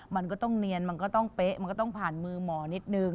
มันก็ต้องเนียนมันก็ต้องเป๊ะมันก็ต้องผ่านมือหมอนิดนึง